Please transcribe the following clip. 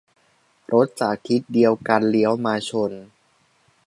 - รถจากทิศเดียวกันเลี้ยวมาชน